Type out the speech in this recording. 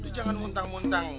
lu jangan muntang muntang